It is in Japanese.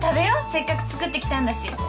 せっかく作ってきたんだし。